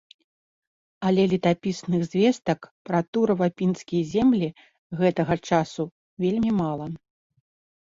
Але летапісных звестак пра турава-пінскія землі гэтага часу вельмі мала.